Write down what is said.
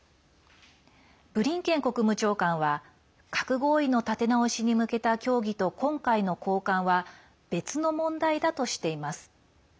ブリンケン国務長官は核合意の立て直しに向けた協議と今回の交換は別の問題だとしています。